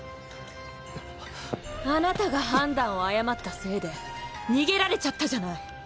あなたが判断を誤ったせいで逃げられちゃったじゃない。